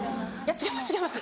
違います